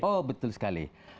oh betul sekali